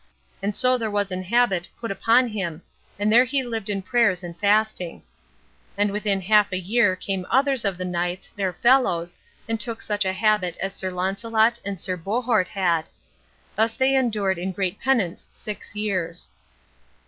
And so there was an habit put upon him, and there he lived in prayers and fasting. And within half a year came others of the knights, their fellows, and took such a habit as Sir Launcelot and Sir Bohort had. Thus they endured in great penance six years.